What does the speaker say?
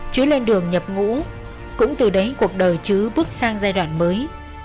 trường nhập ngũ cũng từ đấy cuộc đời chứa bước sang giai đoạn mới